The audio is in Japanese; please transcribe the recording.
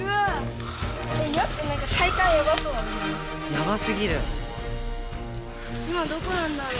やばすぎる。